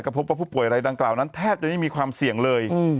พบว่าผู้ป่วยอะไรดังกล่าวนั้นแทบจะไม่มีความเสี่ยงเลย